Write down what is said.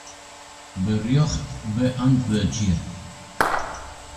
Berjocht beäntwurdzje.